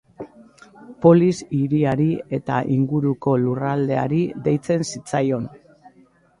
Polis hiriari eta inguruko lurraldeari deitzen zitzaion.